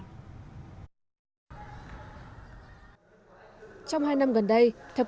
trong hai năm gần đây thập kỷ lực lực của bảo hiểm xã hội việt nam đã được tăng lương tối thiểu lên tới hai mươi sáu từ năm sau